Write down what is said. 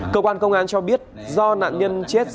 cơ quan công an cho biết do nạn nhân chết dưới đường